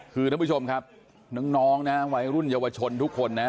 คือท่านผู้ชมครับน้องนะวัยรุ่นเยาวชนทุกคนนะ